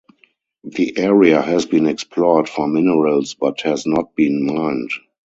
The area has been explored for minerals but has not been mined.